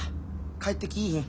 帰ってきいひん。